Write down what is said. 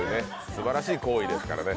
すばらしい行為ですからね。